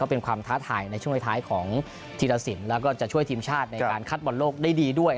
เป็นความท้าทายในช่วงท้ายของธีรสินแล้วก็จะช่วยทีมชาติในการคัดบอลโลกได้ดีด้วย